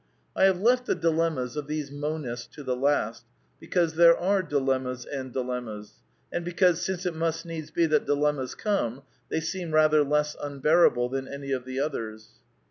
I have left the dilemmas of these Monists to the last, because there are dilemmas and dilemmas; and because, since it must needs be that dilemmas come, they seem rather less unbearable than any of the others.